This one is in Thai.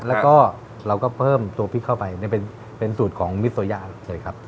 แล้วก็เราก็เพิ่มตัวพริกเข้าไปเป็นสูตรของมิโซยาเชิญครับ